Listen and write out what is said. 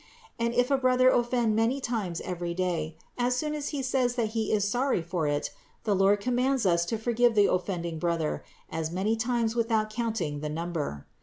And if a brother offend many times every day, as soon as he says that he is sorry for it, the Lord commands us to forgive the offending brother as many times without counting the number.